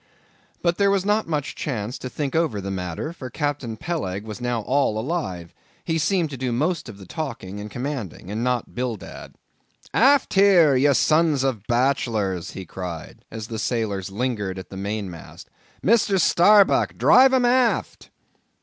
But there was not much chance to think over the matter, for Captain Peleg was now all alive. He seemed to do most of the talking and commanding, and not Bildad. "Aft here, ye sons of bachelors," he cried, as the sailors lingered at the main mast. "Mr. Starbuck, drive 'em aft."